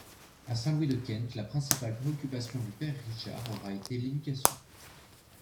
À Saint-Louis-de-Kent, la principale préoccupation du père Richard aura été l'éducation.